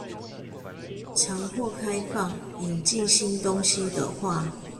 強迫開放、引進新東西的話